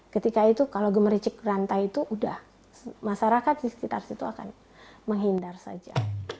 ketika itu kalau gemericik rantai itu udah masyarakat di sekitar situ akan menghindar saja